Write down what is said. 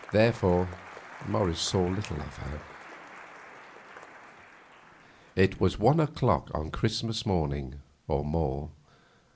Therefore, Morris saw little of her. It was one o'clock on Christmas morning, or more.